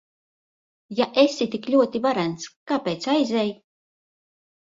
Ja esi tik ļoti varens, kāpēc aizej?